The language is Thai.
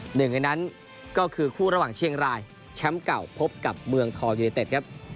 หนึ่งในนั้นก็คือคู่ระหว่างเชียงรายแชมป์เก่าพบกับเมืองทองยูเนเต็ดครับ